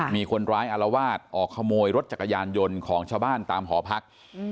มีคนร้ายอารวาสออกขโมยรถจักรยานยนต์ของชาวบ้านตามหอพัก